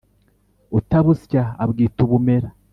Utabusya abwita ubumera.